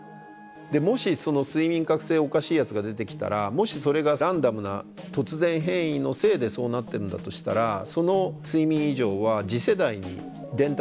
もし睡眠覚醒おかしいやつが出てきたらもしそれがランダムな突然変異のせいでそうなってるんだとしたらその睡眠異常は次世代に伝達しますよね。